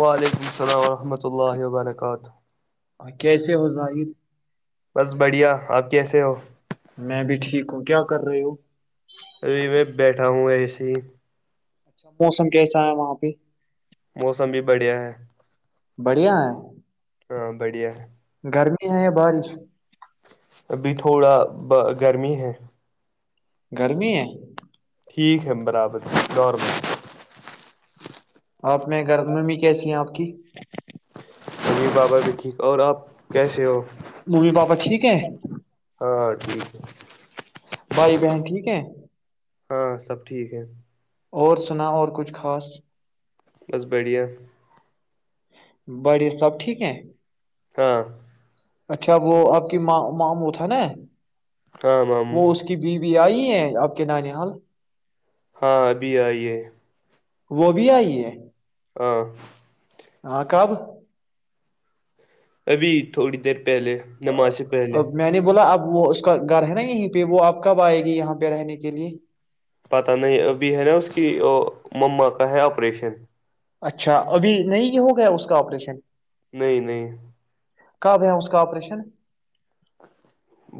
وعلیکم السلام ورحمۃ اللہ وبرکاتہ اور کیسے ہو ظاہر بس بڑھیا آپ کیسے ہو میں بھی ٹھیک ہوں کیا کر رہے ہو جی اچھا موسم کیسا ہے وہاں پہ موسم بھی بڑھیا ہے بڑھیا ہے ہاں بڑیا گرمی ہے یا بارش ابھی تھوڑا گرمی ہے گرمی ہے ٹھیک ہے برابر ر آپ میں گھر ممی کیسی ہیں آپ کی ابھی بابا بھی ٹھیک اور آپ کیسے ہو ممی پاپا ٹھیک ہے ہاں ٹھیک ہے بھائی بہن ٹھیک ہے ہاں سب ٹھیک ہے اور سنا اور کچھ خاص بس بڑھیا بڑی سب ٹھیک ہے ہاں اچھا وہ آپ کیاں مامو تھا نا ہمم اب آئی ہیں آپ کے نانی حال ہاں ابھی آئی ہے وہ بھی آئی ہے ہاں ہاں کب ابھی تھوڑی دیر پہلے نماز سے پہلے اب میں نے بولا اب وہ اس کا گھر ہے نا یہیں پہ وہ آپ کب آئے گی یہاں پہ رہنے کے لیے پتا نہیں ابھی ہے نا اس کی ممما کا ہے آپریشن اچھا ابھی نہیں یہ ہو گیا اس کا آپریشن نہیں نہیں کب ہے اس کا آپریشن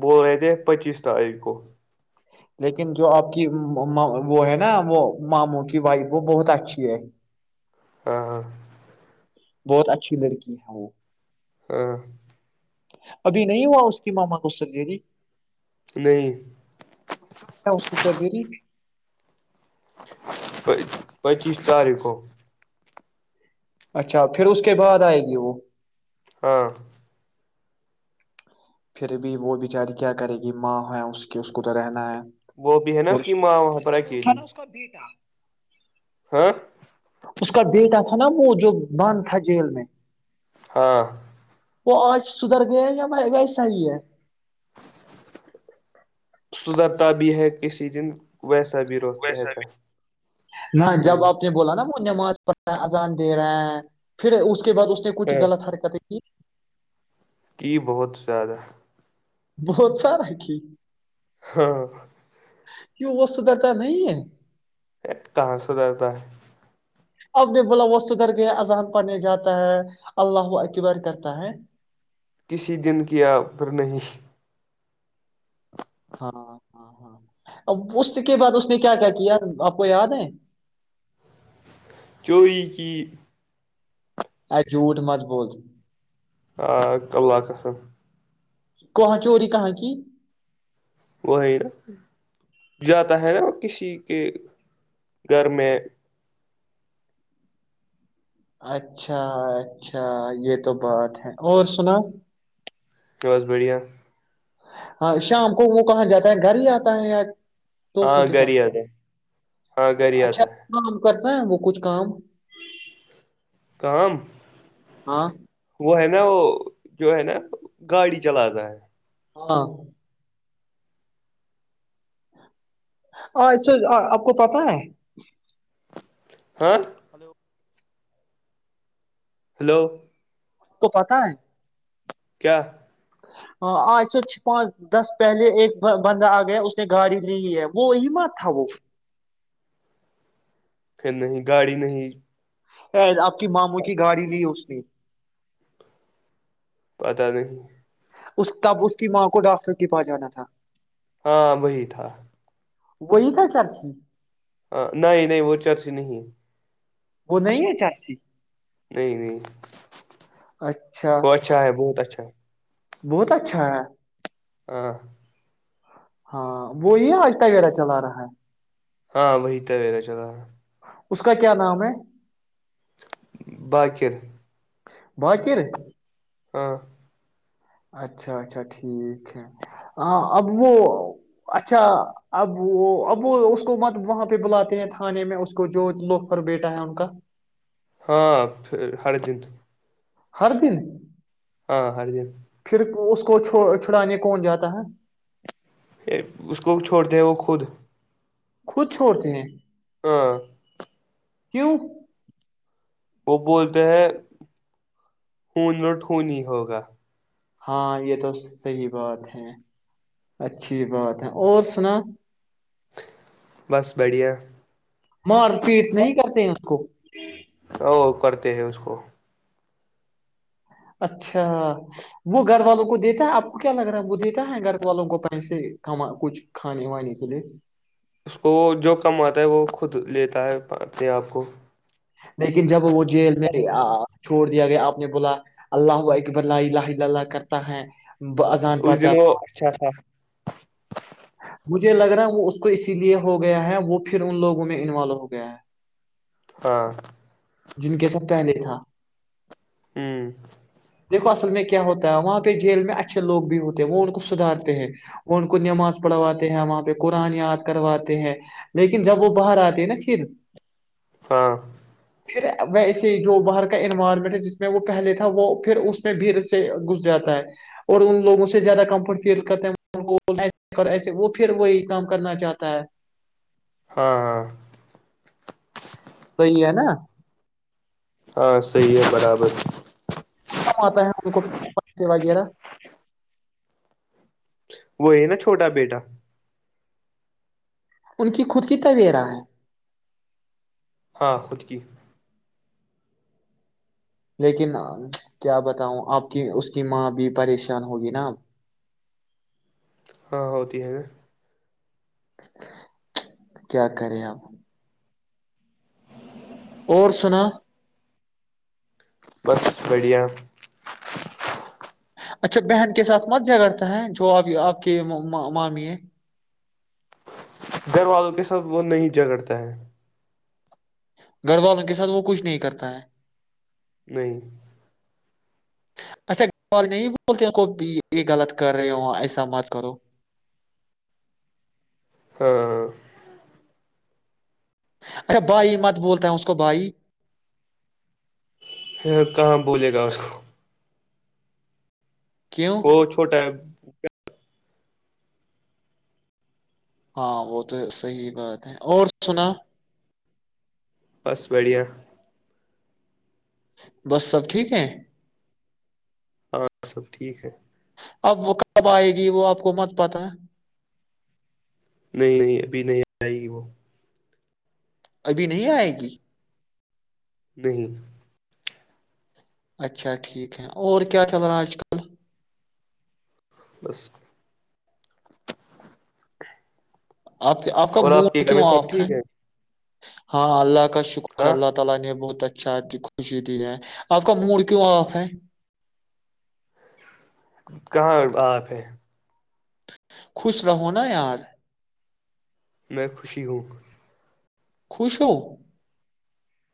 بول رہے تھے پچیس تاریخ کو لیکن جو آپ کی وہ ہے نا وہ ماموں کی وائف وہ بہت اچھی ہے ہاں ہاں بہت اچھی لڑکی ہے وہ ہاں [unintelligible] ابھی نہیں ہوا اس کی ماما کو سرجری نہیں اس کی سرجری پ پچیس تاریخ کو اچھا پھر اس کے بعد آئے گی وہ ہاں پھر بھی وہ بچاری کیا کرے گ ماں ہے اس کے اس کو تو رہنا ہے وہ بھی ہے نا اس کی ماں وہاں پر اچھا وہ تھا اکیلی نا اس کا بیٹا ہاں اس کا بیٹا تھا نا وہ جو بند تھا جیل میں ہاں وہ آج سدھر گئے یا وسے صحی ہے سدرتا بھی ہے کسی دن ویسے ویسا بھی نہ ہ جب آپ نے بولا نا وہ نماز پڑھ رہا اذان دے رہا ہیں پھر اس کے کے بعد اس نے کچھ ہے لط حرکتیں کی کی بہت زیادہ بہت سارا کی ہاں کہ وہ سدھرتا نہیں ہے کہاں سدھرتا ہے اب نے بولا وہ سدھر کے اذہان پنے جاتا ہے اللہ اقبر کرتا ہے کسی دن کیا پھر نہیں ہاں ہاں ہاں اس کے بعد اس نے کیا کیا کیا آپ کو یاد ہے چوروری کی جھوٹ مضبوط آ کبلااکسم کہاں چوری کہاں کی وہیا جاتا ہے نا کسی کے گھر میں اچھا اچھا یہ تو بات ہے اور سنا بس بڑھیا ہاں شام کو وہ کہاں جاتا ہے گھر ہی آتا ہے یا ہاں دوستوں کے گھر ہی ساتھ آتا ہے ہاں گھر ہی اچھا آتا ہے کام کرتا وہ کچھ کام کام ہاں وہ ہے نا وہ جو ہے نا گاڑی چلاتا ہے ہاں آپ کو پتا ہے ہاں ہلو ہلو تو پتا ہے کیا ہاں آج سےوھ پانچ دس پہلے ایک بندہ آ گیا اس نے گاڑی لی ہے وہ امت تھا وہ پھر نہیں گاڑی نہیں آپ کی ماموں کی گاڑی لی اس نے پتا نہیں اس تب اس کی ماں کو ڈاکٹر کے پاس جانا تھا ہاں وہی تھا گئی ت چاچ ہ نہیں نہیں وہ چارسی نہیں وہ نہیں ہے چاچسی نہیں نہیں اچھا وہ اچھا ہے بہت اچھا بہت اچھا ہے آ ہاں وہی ہے آج کا گیرہ چلا رہا ہے ہاں وہی ت ویرا چلا رہ اس کا کیا نام ہے باکر باقر باں اچھا اچھا ٹھیک ہے ہ اب وہ اچھا اب وہ اب وہ اس کو مطلب وہاں پہ بلاتے ہیں تھانے میں اس کو جو لوک پر بیٹا ہے ان کا ہاں ہڑے دن ہر دن ہاں ہر جیپ پھر اس کو چھ چھڑانے کون جاتا ہے پھر اس کو چھوڑ دے وہ خود خود چھوڑتے ہیں ہاں کیوں وہ بولتے ہیں ہون لوٹ نہیں ہی ہوگا ہاں یہ تو صحی بات ہے اچھی بات ہے اور سنا بس بڑھیا مار پیٹ نہیں کرتے اس کو وہ کرتے ہیں اس کو اچھا وہ گھر والوں کو دیتا ہے آپ کو کیا لگ رہا ہے وہ دیتا ہے گھر والوں کو کہ سے کما کچھ کھانے وانے کے لیے اس کو وہ جو کم آتا ہے وہ خود لیتا ہے اپنے آپ کو لیکن جب وہ جیل میں آ چھوڑ دیا گیا آپ نے بولا اللہ اقبرلا ال اللہ کرتا ہے ب- اذان اس پڑھتا دن وہ ہے اچھا سا مجھے لگ رہا ہے وہ اس کو اسی لیے ہو گیا ہے وہ پھر ان لوگوں میں انوالو ہو گیا ہے ہاں جن کے سب پہلے تھا ہوں اصل میں کیا ہوتا ہے وہاں پہ جیل میں اچھے لوگ بھی ہوتے ہیں وہ ان کو سدارتے ہیں وہ ان کو نماز پڑھواتے ہیں وہاں پہ قرآن یاد کرواتے ہیں لیکن جب وہ باہر آتے ہیں نا پھر ہاں پھر ویسے جو باہر کا انوائرمنٹ ہے جس میں وہ پہلے تھا وہ پھر اس میں بھیڑ سے گھس جاتا ہے اور ان لوگوں سے زیادہ کمفرٹ فیل کرتے ایسے وہ پھر وہی کام کرنا چاہتا ہے ہاں ہاں صی ہے نا ہاں سحی ہے برابر کم آتا ہے ان کو پتے وغیرہ وہ ہے نا چھوٹا بیٹا ان کی خود کی طویرہ ہیں ہاں خود کی لیکن کیا بتاؤ آپ کی اس کی ماں بھی پریشان ہوگی نا ہاں ہوتی ہے نا کیا کریں اب اور سنا بس بڑھیا اچھا بہن کے ساتھ مز جہ کرتا ہے جو آپ آپ کے مامی ہے گھر والوں کے ساتھ وہ نہیں جھگڑتا ہے گھر والوں کے ساتھ وہ کچھ نہیں کرتا ہے نہیں اچھاار نہیں بولتے کو یہ غلط کر رہے ہو ایسا مت کرو ہاں اچھا بھائی مت بولتا ہے اس کو بھائی کہاں بھولے گا اس کو کیوں وہ چھوٹا ہے ہاں وہ تو صحی بات ہے اور سنا بس بڑھیا بس سب ٹھیک ہے ہاں سب ٹھیک ہے اب وہ کب آئے وہ آپ کو مت پاتا ہے نہیں نہیں ابھی نہیں آئے گی وہ ابھی نہیں آئے گی بہن اچھا ٹھیک ہے اور کیا چل رہا آج کل بس آپ آپ کا اور کے موڈ گھر کیوں میں آف سب ہے ٹھیک ہاں اللہ کا شکر ہاں اللہ تعی نے بہت اچھا آتی خوشی ت ہے آپ کا موڈ کیوں آف ہے کہاں آپ ہے خوش رہو نا یار میں خوشی ہوں خوشو [unintelligible]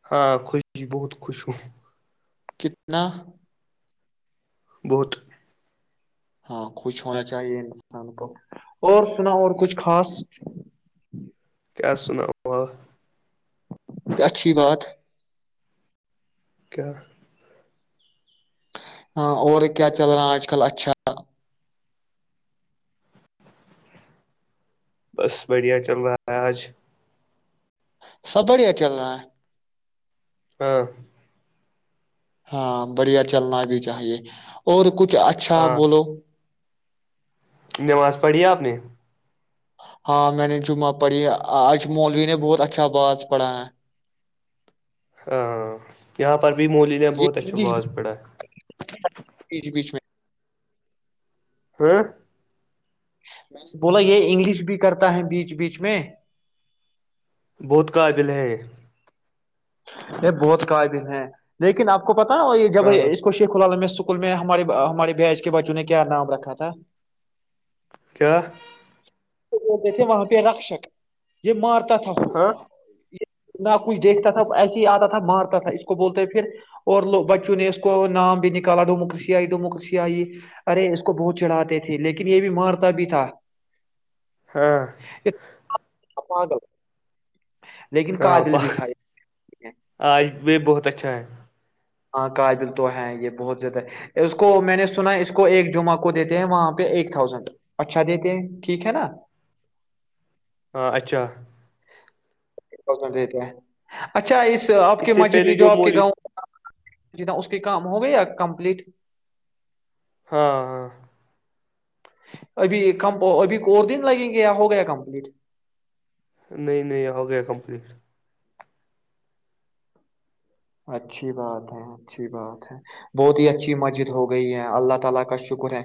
ہاں خوش بہت خوش ہون کتنا بہت ہاں خوش ہونا چاہیے انسان کو اور سنا اور کچھ خاص کیا سناؤ اچھی بات کیا ہاں اور کیا چل رہا آج کل اچھا بس بڑھیا چل رہا ہے آج سب بڑھیا چل رہا ہے ہاں ہاں بڑھیا چلنا بھی چاہیے اور کچھ کچھ اچھا ہاں بولو اپنے ہاں میں نے جمعہ پڑھی اج مولوی نے بہت اچھا باز پڑھا ہے ہاں یہاں پروی مولی نے یہ بہت اچھا انگلش آواز پڑھا بیچ بیچ میں ہاں بولا یہ انگلش بھی کرتا ہے بیچ بیچ میں بہت قابل ہیں یہ بہت قائب ہیں لیکن آپ پتا ہے اور یہ جب ہاں اس کو شیخ اللاعال میں سو اسکول میں ہمارے ہمارے بج کے بچوں نے کیا نام رکھا تھا کیا بتے تھے وہاں پہ رکشک یہ مارتے ت تو ہاں نہ کچھ دیکھتا ب ایسے ہی آتا تھا مارتا تھا اس کو بولتے پھر اور لوگ بچوں نے اس کو نام بھی نکالا ڈوموکریسی آئی ڈوموکریسی آئی ارے اس کو بہت چڑھاتے تھے لیکن یہ بھی مارتا بھی تھا ہاں اپداب لیکن کا ہاں دل بیٹھائی آج بھی بہت تھا ہاں کابل تو ہے یہ بہت زیادہ اس کو میں نے سنا اس کو ایک جمعہ کو دیتے ہیں وہاں پہ ایک تھازینڈ اچھا دیتے ہیں ٹھیک ہے نا ہ اچھا زڈ دیتے ہیں اچھا اس تو آپ کے سے مسجد پہلے بھی جو آپ کے مولی گاؤں جی اس کے کام ہو گئی یا کمپلیٹ ہاں ہاں ابھی کم ابھی اور دن لگیں گے یا ہو گیا کمپلیٹ نہیں نہیں ہو گیا کمپلیٹ اچھی بات ہے بہت ہی اچھی مسجد ہو گئی ہے اللہ کا شکر ہے۔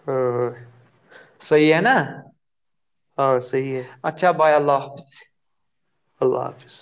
ہاں ہ صحیح ہے نا ہاں صحیح ہے اچھا بائے اللہ [unintelligible] اللہ حافظ